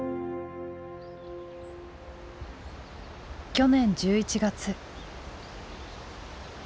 去年１１月。